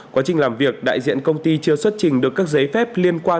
quá trình làm việc đại diện công ty chưa xuất trình được các giấy phép liên quan